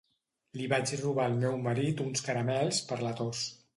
Li vaig robar al meu marit uns caramels per la tos.